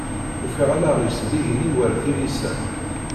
Ufiɣ allaɣ-is d igenni war tilisa.